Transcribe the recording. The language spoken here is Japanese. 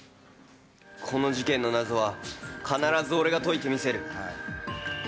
この事件の謎は、必ず俺が解いてみせる。